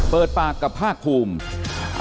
เปิดปากกับภาคภูมิ